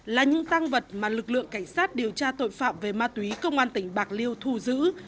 là những tăng vật mà lực lượng cảnh sát điều tra tội phạm về ma túy công an tỉnh bạc liêu thu giữ